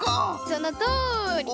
そのとおり！